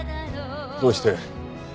どうして？